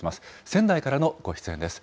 仙台からのご出演です。